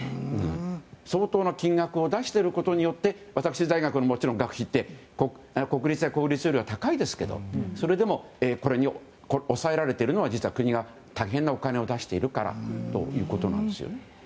相当な金額を出していることによって私立大学の学費って国公立よりは高いですけどそれでも、抑えられてるのは実は国が大変なお金を出しているからということです。